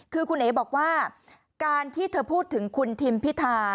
คือคุณเอ๋บอกว่าการที่เธอพูดถึงคุณทิมพิธา